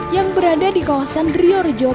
yang berada di kawasan rio rejo